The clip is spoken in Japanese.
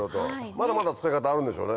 まだまだ使い方あるんでしょうね。